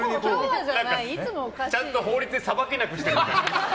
ちゃんと法律で裁けなくしてる。